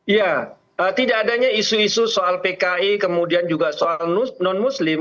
ya tidak adanya isu isu soal pki kemudian juga soal non muslim